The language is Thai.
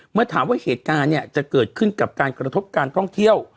เมื่อถามว่าเหตุการณ์เนี่ยจะเกิดขึ้นกับการกระทบการท่องเที่ยว